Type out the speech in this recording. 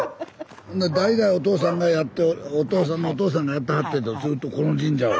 ほんなら代々おとうさんがやっておとうさんのお父さんがやってはってたこの神社を。